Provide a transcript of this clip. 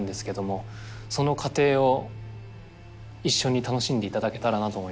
その過程を一緒に楽しんでいただけたらなと思います。